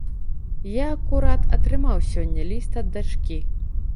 Я акурат атрымаў сёння ліст ад дачкі.